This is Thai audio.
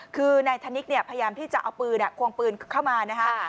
คือนายธนิกเนี่ยพยายามที่จะเอาปืนควงปืนเข้ามานะฮะ